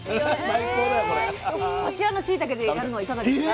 こちらのしいたけでやるのはいかがですか？